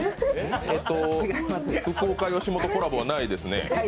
えっと福岡・吉本コラボはないですね。